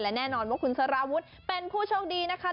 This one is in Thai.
และแน่นอนว่าคุณสารวุฒิเป็นผู้โชคดีนะคะ